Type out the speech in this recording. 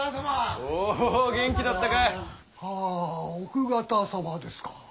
はぁ奥方様ですか？